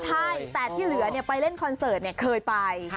ใช่แต่ที่เหลือเนี่ยไปเล่นคอนเสิร์ตเนี่ยเคยไป